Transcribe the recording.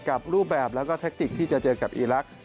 รูปแบบแล้วก็แทคติกที่จะเจอกับอีลักษณ์